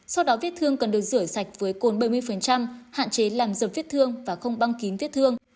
sau đó viết thương cần được rửa sạch với côn bảy mươi hạn chế làm dập viết thương và không băng kín viết thương